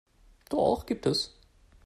Doch gibt es.